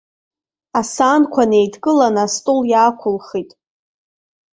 Асаанқәа неидкыланы астол иаақәылхит.